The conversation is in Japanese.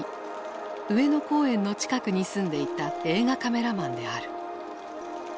上野公園の近くに住んでいた映画カメラマンである。